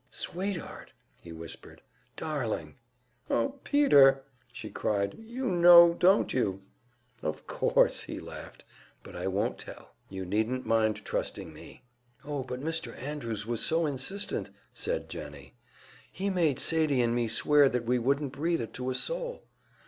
"Sweetheart!" he whispered. "Darling!" "Uh, Peter!" she cried. "You know don't you?" "Of course!" he laughed. "But I won't tell. You needn't mind trusting me." "Oh, but Mr. Andrews was so insistent!" said Jennie, "He made Sadie and me swear that we wouldn't breathe it to a soul."